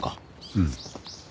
うん。